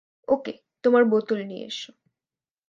ওকে, তোমার বোতল নিয়ে এসো।